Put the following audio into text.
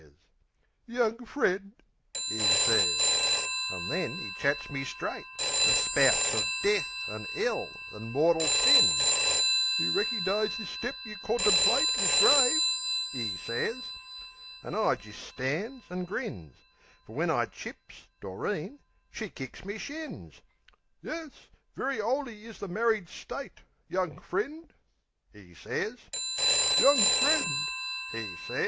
"Young friend," 'e sez. An' then 'e chats me straight; An' spouts of death, an' 'ell, an' mortal sins. "You reckernize this step you contemplate Is grave? 'e sez. An' I jist stan's an' grins; Fer when I chips, Doreen she kicks me shins. "Yes, very 'oly is the married state, Young friend," 'e sez. "Young friend," 'e sez.